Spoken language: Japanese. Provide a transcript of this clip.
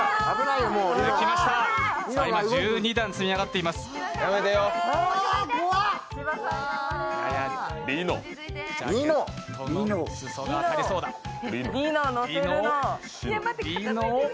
今、１２段積み上がっていますああっ、怖っ。